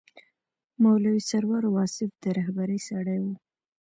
مولوي سرور واصف د رهبرۍ سړی و.